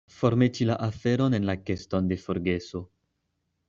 Formeti la aferon en la keston de forgeso.